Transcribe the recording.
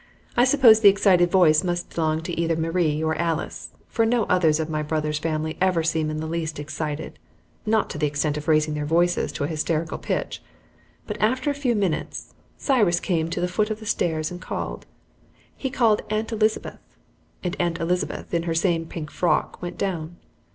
I supposed the excited voice must belong to either Maria or Alice, for no others of my brother's family ever seem in the least excited, not to the extent of raising their voices to a hysterical pitch. But after a few minutes Cyrus came to the foot of the stairs and called. He called Aunt Elizabeth, and Aunt Elizabeth, in her same pink frock, went down.